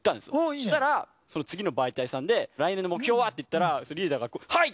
そしたら次の媒体さんで来年の目標はって言ったらリーダーがはい！